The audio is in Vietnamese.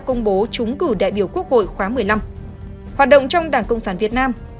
công bố trúng cử đại biểu quốc hội khóa một mươi năm hoạt động trong đảng cộng sản việt nam